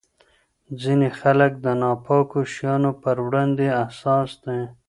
ځینې خلک د ناپاکو شیانو پر وړاندې حساس دي.